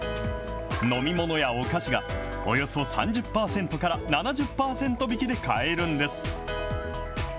飲み物やお菓子がおよそ３０％から７０％引きで買えるんです。